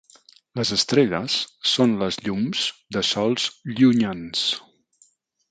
Les estrelles són les llums de sols llunyans.